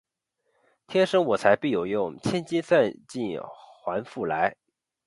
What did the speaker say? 天生我材必有用，千金散尽还复来